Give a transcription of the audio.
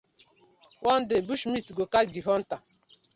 One day bush meat go catch the hunter: